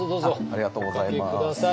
ありがとうございます。